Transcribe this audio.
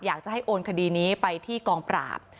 อยากจะให้โอนคดีนี้ไปที่กองปราบ